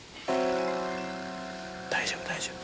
大丈夫大丈夫。